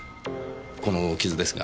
この傷ですが。